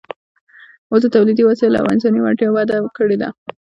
اوس د تولیدي وسایلو او انساني وړتیاوو وده کړې ده